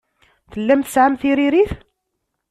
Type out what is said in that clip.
Tellam tesɛam tiririt?